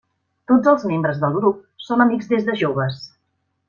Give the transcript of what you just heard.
Tots els membres del grup són amics des de joves.